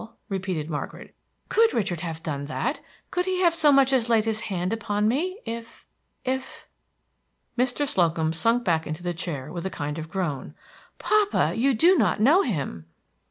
repeated Margaret. "Could Richard have done that, could he have so much as laid his hand upon me if if" Mr. Slocum sunk back in the chair with a kind of groan. "Papa, you do not know him!"